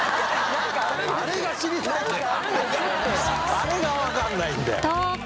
あれが分からないんだよ！